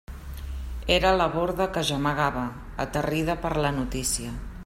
Era la Borda que gemegava, aterrida per la notícia.